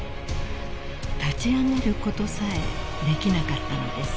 ［立ち上がることさえできなかったのです］